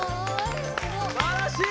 すばらしい！